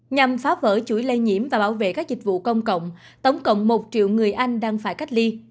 nhằm phá vỡ chuỗi lây nhiễm và bảo vệ các dịch vụ công cộng tổng cộng một triệu người anh đang phải cách ly